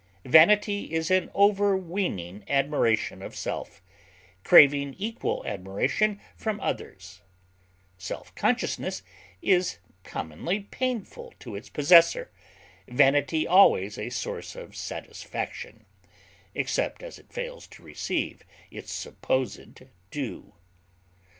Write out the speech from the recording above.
Vanity is an overweening admiration of self, craving equal admiration from others; self consciousness is commonly painful to its possessor, vanity always a source of satisfaction, except as it fails to receive its supposed due.